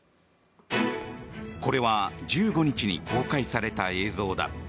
これは１５日に公開された映像だ。